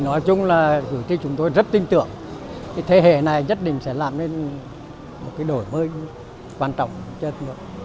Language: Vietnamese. nói chung là cử tri chúng tôi rất tin tưởng cái thế hệ này nhất định sẽ làm nên một cái đổi mới quan trọng cho đất nước